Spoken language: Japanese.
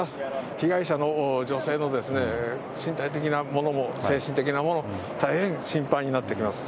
被害者の女性の身体的なものも、精神的なものも、大変心配になってきます。